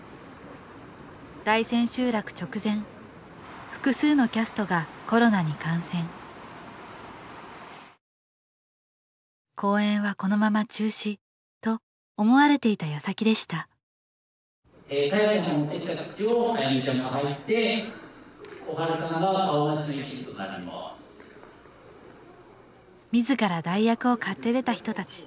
大千秋楽直前複数のキャストがコロナに感染公演はこのまま中止と思われていたやさきでしたみずから代役を買って出た人たち。